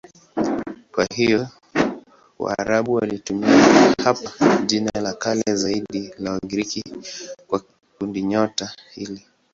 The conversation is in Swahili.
Kwa hiyo Waarabu walitumia hapa jina la kale zaidi la Wagiriki kwa kundinyota hili.